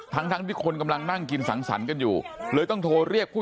ทั้งทั้งที่คนกำลังนั่งกินสังสรรค์กันอยู่เลยต้องโทรเรียกผู้